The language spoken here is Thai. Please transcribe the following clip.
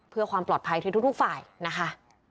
เพื่อความปลอดภัยที่ทุกฝ่ายนะคะ